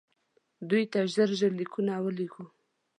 دوی ته ژر ژر لیکونه ولېږو.